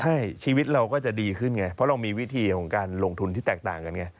ใช่ชีวิตเราก็จะดีขึ้นไงเพราะเรามีวิธีของการลงทุนที่แตกต่างกันไง